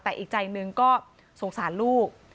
แต่อีกใจหนึ่งก็สงสารลูก